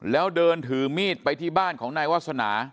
แล้วเดินถือมีดไปที่บ้านของนายวาสนา